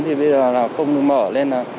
thì bây giờ là không được mở lên